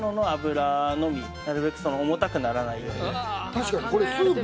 確かにこれ。